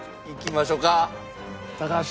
いきましょうか。